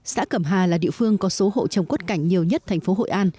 xã cẩm hà là địa phương có số hộ trồng quất cảnh nhiều nhất thành phố hội an